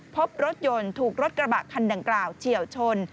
พบรถยนต์ถูกรถกระบะคันดังกล่าวเฉียวชน